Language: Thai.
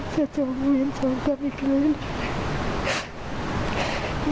จะจอมวีนจอมกันอีกเลยเลย